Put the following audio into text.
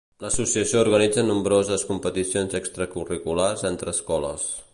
L'associació organitza nombroses competicions extracurriculars entre escoles.